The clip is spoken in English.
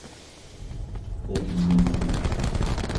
Let "X" be a set.